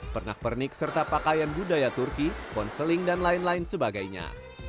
pernak pernik serta pakaian budaya turki ponseling dan lain lain sebagainya